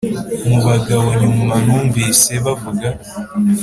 mubagabo nyuma numvise bavuga